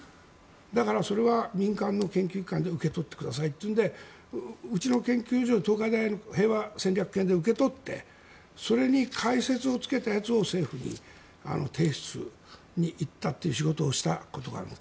だから、それは民間の研究機関で受け取ってくださいというのでうちの研究所東海大の平和戦略研で受け取ってそれに解説をつけたやつを政府に提出に行ったという仕事をしたことがある。